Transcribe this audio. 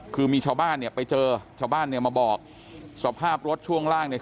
คือมีชาวบ้านเนี่ยไปเจอชาวบ้านเนี่ยมาบอกสภาพรถช่วงล่างเนี่ย